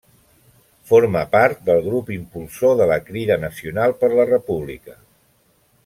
Forma part del grup impulsor de la Crida Nacional per la República.